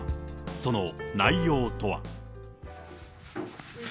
その内容とは。